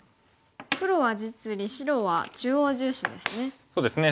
黒は実利白は中央重視ですね。